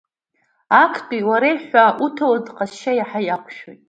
Актәи уара иҳәа, уҭауад ҟазшьа иаҳа иақәшәоит!